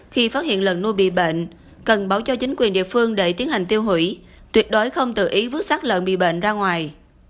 khi phát hiện lợn nuôi bị bệnh cần báo cho chính quyền địa phương để tiến hành tiêu hủy tuyệt đối không tự ý vứt sát lợn bị bệnh ra ngoài